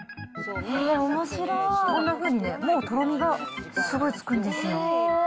こんなふうにね、もうとろみがすごいつくんですよ。